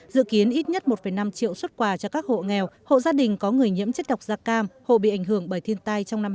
dự kiến ít nhất một năm triệu xuất quà cho các hộ nghèo hộ gia đình có người nhiễm chất độc da cam hộ bị ảnh hưởng bởi thiên tai trong năm hai nghìn hai mươi